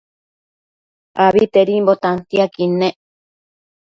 Abitedimbo tantiaquid nec